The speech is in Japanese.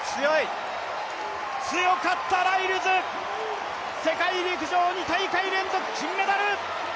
強かった、ライルズ、世界陸上２大会連続金メダル。